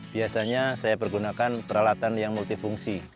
biasanya saya pergunakan peralatan yang multifungsi